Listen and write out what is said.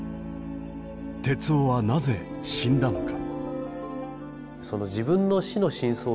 徹生はなぜ死んだのか。